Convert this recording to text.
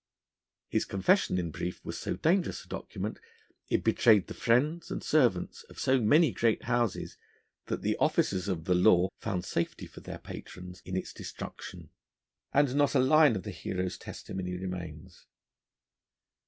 His confession, in brief, was so dangerous a document, it betrayed the friends and servants of so many great houses, that the officers of the Law found safety for their patrons in its destruction, and not a line of the hero's testimony remains.